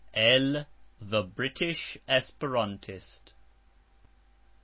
El "The British Esperantist."